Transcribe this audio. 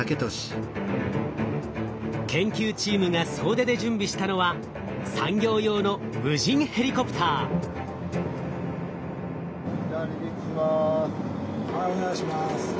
研究チームが総出で準備したのは産業用のはいお願いします。